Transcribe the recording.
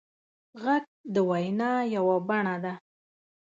غږ د وینا یوه بڼه ده